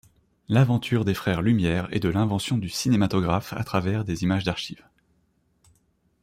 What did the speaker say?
L'aventure des frères Lumière et de l'invention du cinématographe, à travers des images d'archives.